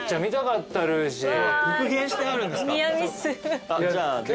復元してあるんですか？